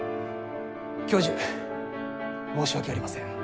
教授申し訳ありません。